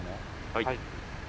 はい。